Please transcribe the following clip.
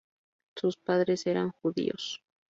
Sus padres eran judíos.